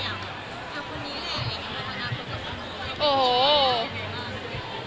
แทบคนนี้แหละ